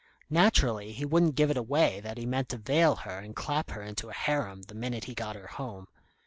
Naturally he wouldn't give it away that he meant to veil her and clap her into a harem the minute he got her home.